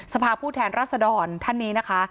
สภาพผู้แทนรัศดรท่านนี้นะคะ